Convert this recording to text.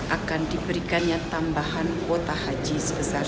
akan diberikannya tambahan kuota haji sebesar